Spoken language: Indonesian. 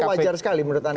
itu wajar sekali menurut anda